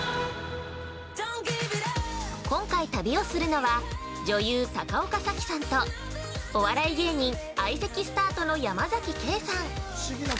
今回、旅をするのは女優・高岡早紀さんとお笑い芸人・相席スタートの山崎ケイさん。